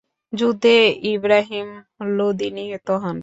যুদ্ধে ইবরাহিম লোদি নিহত হন।